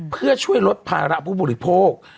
เพื่อช่วยลดภาระผู้บริโภค